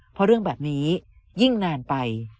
เพราะเรื่องแบบนี้ยิ่งนานไป